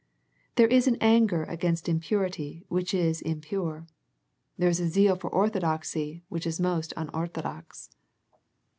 There is an anger against impurity which is impure. There is a zeal for orthodoxy which is most unorthodox.